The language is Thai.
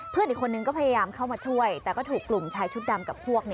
เพื่อนอีกคนนึงก็พยายามเข้ามาช่วยแต่ก็ถูกกลุ่มชายชุดดำกับพวก